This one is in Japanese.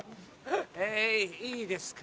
はいいいですか。